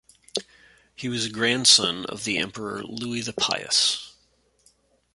He was a grandson of the Emperor Louis the Pious.